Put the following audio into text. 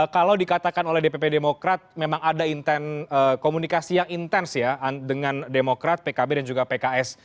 kalau dikatakan oleh dpp demokrat memang ada intens komunikasi yang intens ya dengan demokrat pkb dan juga pks